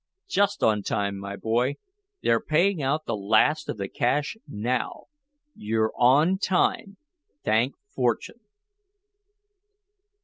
"Just on time, my boy! They're paying out the last of the cash now! You're on time, thank fortune!"